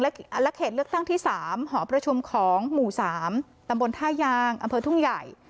และเขตเลือกตั้งที่๓หอประชุมของหมู่๓ตำบลท่ายางอำเภอทุ่งใหญ่